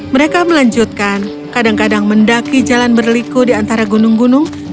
mereka melanjutkan kadang kadang mendaki jalan berliku di antara gunung gunung